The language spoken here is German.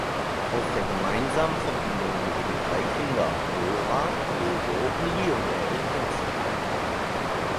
Aus der gemeinsamen Verbindung gingen drei Kinder, Nora, Diego und Lionel Vincent, hervor.